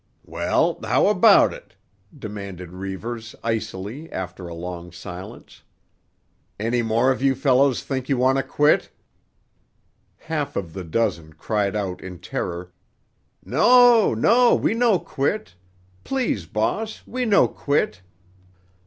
"Well, how about it?" demanded Reivers icily after a long silence. "Any more of you fellows think you want to quit?" Half of the dozen cried out in terror: "No, no! We no quit. Please, boss; we no quit."